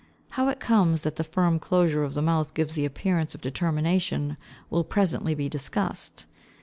How it comes that the firm closure of the mouth gives the appearance of determination will presently be discussed.